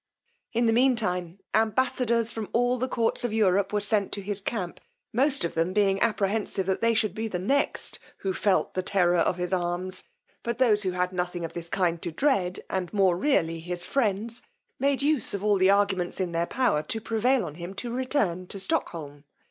In the mean time ambassadors from all the courts of Europe were sent to his camp, most of them being apprehensive that they should be the next who felt the terror of his arms: but those who had nothing of this kind to dread, and more really his friends, made use of all the arguments in their power to prevail on him to return to Stockholm.